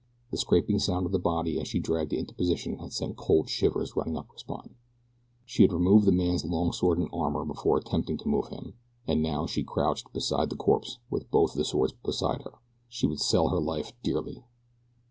The scraping sound of the body as she dragged it into position had sent cold shivers running up her spine. She had removed the man's long sword and armor before attempting to move him, and now she crouched beside the corpse with both the swords beside her she would sell her life dearly.